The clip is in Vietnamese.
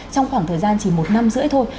trong khoảng thời gian chỉ một năm rưỡi thôi